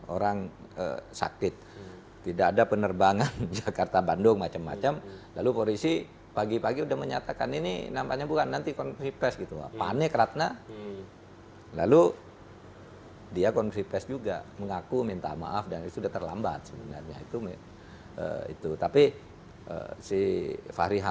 orang sakit tidak ada penerbangan jakarta bandung macam macam lalu polisi pagi pagi udah menyatakan ini nampaknya bukan nanti konfipes gitu panik ratna lalu dia konfipes juga mengaku minta maaf dan itu sudah terlambat sebenarnya itu itu tapi si fahri hamzah misalnya yang berteriak harus cepat dilakukan tindakan begitu polisi cepat mengomongkan dia kaget loh kok cepat sekali katanya loh kemarin disuruh cepat gitu ya